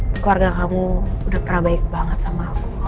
keluarga kamu udah kerah baik banget sama aku